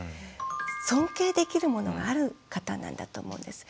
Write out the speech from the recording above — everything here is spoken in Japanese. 尊敬できるものがある方なんだと思うんです。